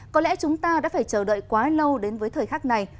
có lẽ chúng ta đã phải chờ đợi quá lâu đến với thời khắc này